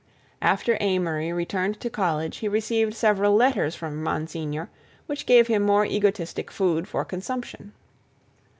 After Amory returned to college he received several letters from Monsignor which gave him more egotistic food for consumption.